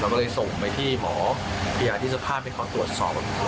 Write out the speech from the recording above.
ก็เลยส่งไปที่หมอพยาธิสภาพให้เขาตรวจสอบ